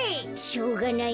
しょうがないなあ。